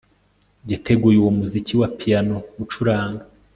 Yateguye uwo muziki wa piyano gucuranga